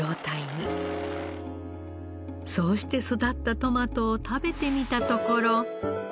そうして育ったトマトを食べてみたところ。